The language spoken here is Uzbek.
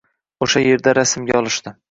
O‘sha yerda rasmga olishdi.